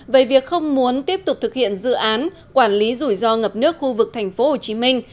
về việc không muốn tiếp tục thực hiện dự án quản lý rủi ro ngập nước khu vực thành phố hồ chí minh